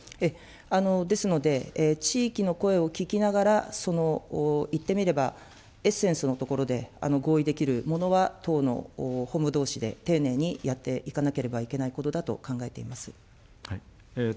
ですので、地域の声を聞きながら、その言ってみればエッセンスのところで合意できるものは、党の本部どうしで丁寧にやっていかなければいけないことだと考えています。